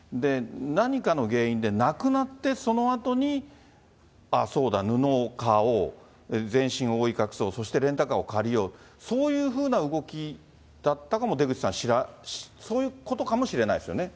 何かの原因で亡くなって、そのあとに、あっ、そうだ、布を買おう、全身を覆い隠そう、そしてレンタカーを借りよう、そういうふうな動きだったかも、出口さん、そういうことかもしれないですよね。